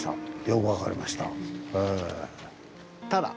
分かりました。